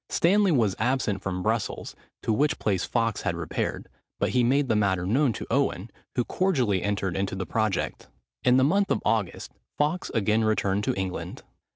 Stanley was absent from Brussels, to which place Fawkes had repaired; but he made the matter known to Owen, who cordially entered into the project. In the month of August, Fawkes again returned to England.